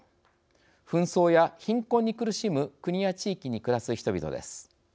紛争や貧困に苦しむ国や地域に暮らす人々です。